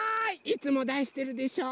いつもだしてるでしょ。